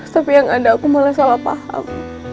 tapi yang ada aku malah salah paham